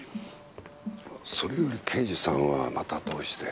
それより刑事さんはまたどうして？